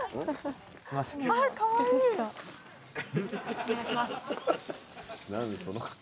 お願いします。